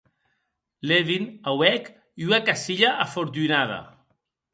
Levin auec ua cacilha afortunada.